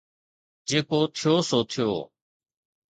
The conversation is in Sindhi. جيڪو ٿيو سو ٿيو.